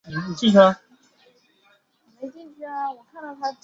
西西莉亚是帕罗斯岛领主的女儿。